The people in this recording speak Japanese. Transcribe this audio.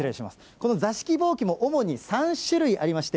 この座敷ぼうきも主に３種類ありまして、